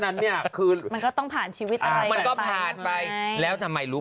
นั้นเนี่ยคือมันก็ต้องผ่านชีวิตอะไรมันก็ผ่านไปแล้วทำไมรู้